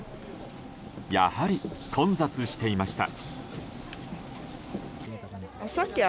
やはり混雑していました。